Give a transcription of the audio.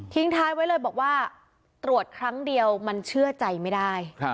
ท้ายไว้เลยบอกว่าตรวจครั้งเดียวมันเชื่อใจไม่ได้